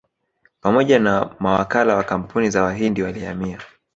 Pamoja na mawakala wa kampuni za Wahindi walihamia